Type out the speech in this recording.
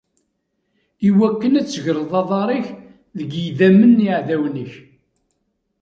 Iwakken ad tegreḍ aḍar-ik deg yidammen n yiɛdawen-ik.